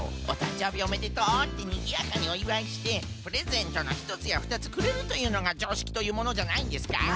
「おたんじょうびおめでとう」ってにぎやかにおいわいしてプレゼントのひとつやふたつくれるというのがじょうしきというものじゃないんですか？